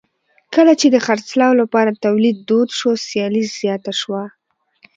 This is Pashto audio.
کله چې د خرڅلاو لپاره تولید دود شو سیالي زیاته شوه.